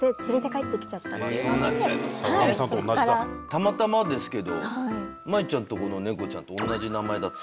たまたまですけど麻衣ちゃんのとこの猫ちゃんと同じ名前だった。